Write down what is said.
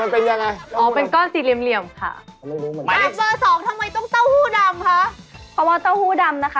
พ่อเป็นคนท่าชนะสุดว่าธารีค่ะ